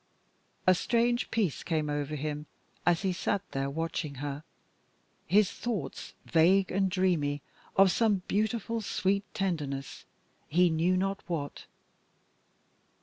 A strange peace came over him as he sat there watching her, his thoughts vague and dreamy of some beautiful sweet tenderness he knew not what.